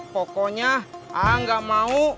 pokoknya ah gak mau